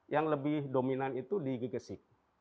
yang lebih dominan itu di gegesik